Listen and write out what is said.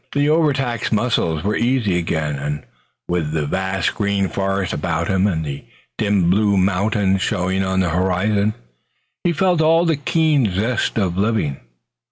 The overtaxed muscles were easy again, and with the vast green forest about him and the dim blue mountains showing on the horizon, he felt all the keen zest of living.